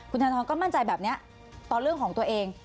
คุณธนทรก็มั่นใจแบบนี้ต่อเรื่องของตัวเอง